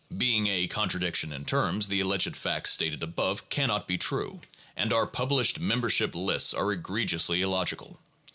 Being a contradiction in terms, the alleged fact stated above cannot be true, and our published membership lists are egregiously illogical.